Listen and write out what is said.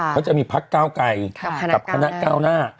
เขาจะมีพักเก้าไกรกับคณะก้าวหน้า